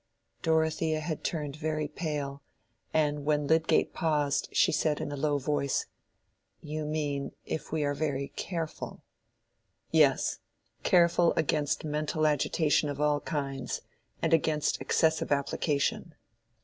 Dorothea had turned very pale, and when Lydgate paused she said in a low voice, "You mean if we are very careful." "Yes—careful against mental agitation of all kinds, and against excessive application."